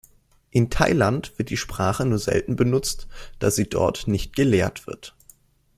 In Thailand wird die Sprache nur selten benutzt, da sie dort nicht gelehrt wird.